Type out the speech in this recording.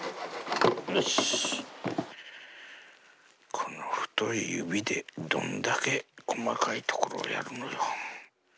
この太い指でどんだけ細かいところをやるのよ。